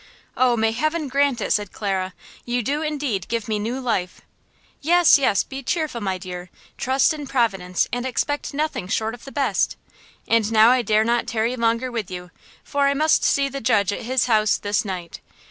"Oh, may heaven grant it!" said Clara. "You do, indeed, give me new life." "Yes, yes, be cheerful, my dear; trust in Providence and expect nothing short of the best! And now I dare not tarry longer with you, for I must see the Judge at his house this night.